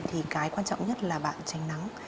thì cái quan trọng nhất là bạn tránh nắng